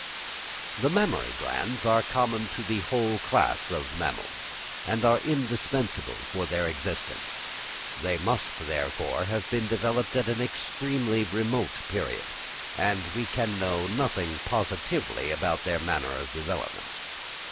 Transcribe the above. The mammary glands are common to the whole class of mammals, and are indispensable for their existence; they must, therefore, have been developed at an extremely remote period, and we can know nothing positively about their manner of development.